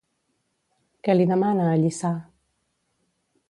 Què li demana a Llissà?